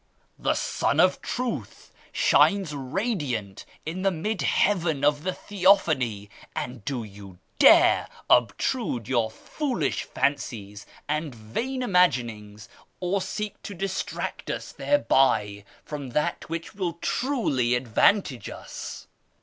The Sun of Truth shines radiant in the mid heaven of the Theophany, and do you dare obtrude your foolish fancies and vain imaginings, or seek to distract us thereby from that which will truly advantage us